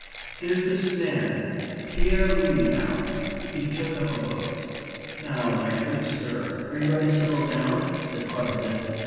"There's this man, Pierre Louys now." He took up a book. "Now my good sir, are you going to settle down?" said Cruttendon.